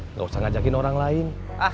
nggak usah ngajakin orang lain